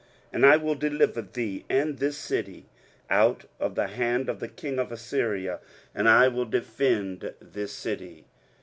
23:038:006 And I will deliver thee and this city out of the hand of the king of Assyria: and I will defend this city.